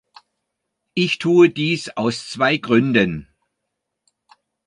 Ich tue dies aus zwei Gründen.